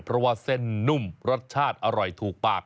เพราะว่าเส้นนุ่มรสชาติอร่อยถูกปาก